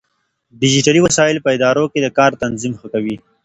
ډيجيټلي وسايل په ادارو کې د کار تنظيم ښه کوي.